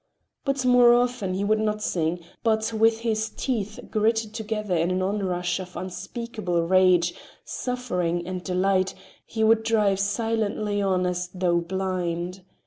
But more often he would not sing, but with his teeth gritted together in an onrush of unspeakable rage, suffering and delight, he would drive silently on as though blind.